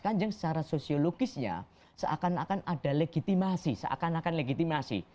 kanjeng secara sosiologisnya seakan akan ada legitimasi seakan akan legitimasi